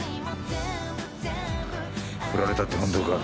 フラれたって本当か？